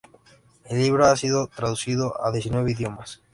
El libro ha sido traducido a diecinueve idiomas.